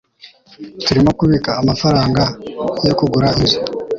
turimo kubika amafaranga yo kugura inzu